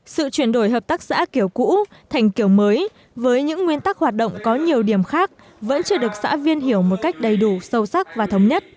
sự chuyển đổi hợp tác xã kiểu cũ thành kiểu mới với những nguyên tắc hoạt động có nhiều điểm khác vẫn chưa được xã viên hiểu một cách đầy đủ sâu sắc và thống nhất